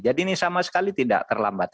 jadi ini sama sekali tidak terlambat